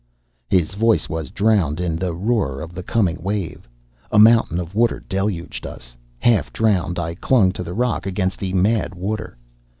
His voice was drowned in the roar of the coming wave. A mountain of water deluged us. Half drowned, I clung to the rock against the mad water.